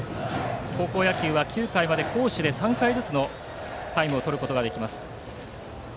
高校野球は９回まで攻守で３回ずつのタイムをとれます。